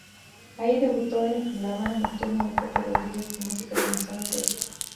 Allí debutó en "La Habana nocturna", del propio Rodríguez, con música de Gonzalo Roig.